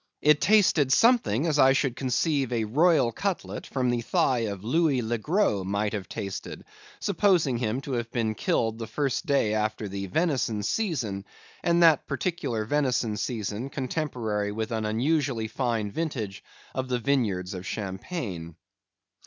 It tasted something as I should conceive a royal cutlet from the thigh of Louis le Gros might have tasted, supposing him to have been killed the first day after the venison season, and that particular venison season contemporary with an unusually fine vintage of the vineyards of Champagne.